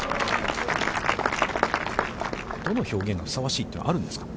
どの表現がふさわしいというのはあるんですか。